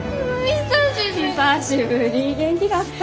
久しぶり元気だった？